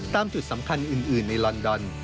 ตามจุดสำคัญอื่นในลอนดอน